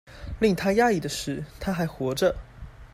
令他訝異的是她還活著